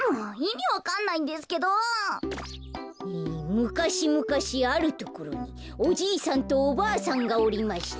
「むかしむかしあるところにおじいさんとおばあさんがおりました。